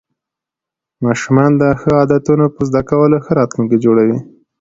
ماشومان د ښو عادتونو په زده کولو ښه راتلونکی جوړوي